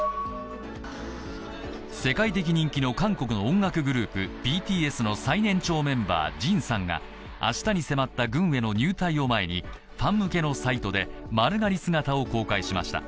世界的人気の韓国の音楽グループＢＴＳの最年長メンバー、ＪＩＮさんが明日に迫った軍への入隊を前にファン向けのサイトで丸刈り姿を公開しました。